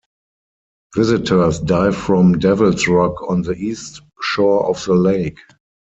Visitors dive from Devils Rock on the east shore of the lake.